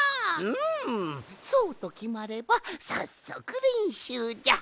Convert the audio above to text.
んそうときまればさっそくれんしゅうじゃ。